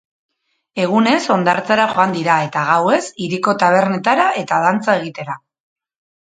Egunez hondartzara joan dira eta gauez hiriko tabernetara eta dantza egitera.